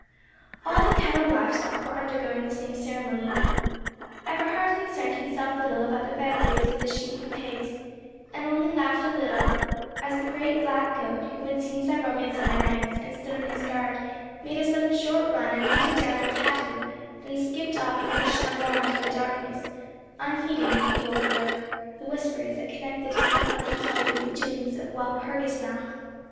All the castle live stock were undergoing the same ceremony. Eberhard concerned himself little about the vagaries of the sheep and pigs, and only laughed a little as the great black goat, who had seen several Midsummer nights, and stood on his guard, made a sudden short run and butted down old Hatto, then skipped off like a chamois into the darkness, unheeding, the old rogue, the whispers that connected his unlucky hue with the doings of the Walpurgisnacht.